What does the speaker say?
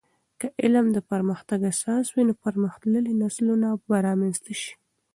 که علم د پرمختګ اساس وي، نو پرمختللي نسلونه به رامنځته سي.